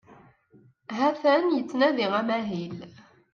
Ha-t-an yettnadi amahil.